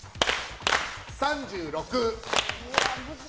３６。